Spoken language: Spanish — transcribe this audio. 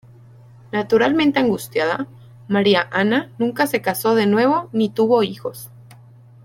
Naturalmente angustiada, María Ana nunca se casó de nuevo ni tuvo hijos.